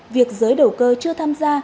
việc giới đầu cơ chưa tham gia